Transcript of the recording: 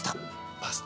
パスタ。